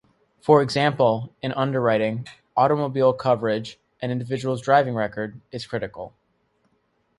For example, in underwriting automobile coverage, an individual's driving record is critical.